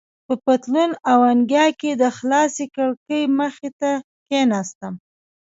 په پتلون او انګیا کې د خلاصې کړکۍ مخې ته کېناستم.